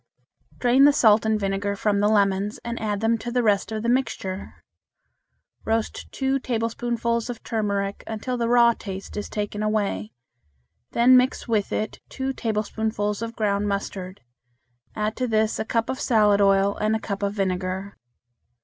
Drain the salt and vinegar from the lemons and add them to the rest of the mixture. Roast two tablespoonfuls of turmeric until the raw taste is taken away, then mix with it two tablespoonfuls of ground mustard; add to this a cup of salad and a cup of vinegar.